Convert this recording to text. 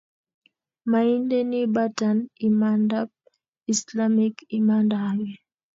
maindeni batan imandab islamik imanda ake